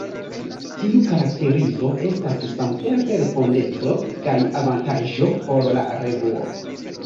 Tiu karakterizo estas samtempe respondeco kaj avantaĝo por la revuo.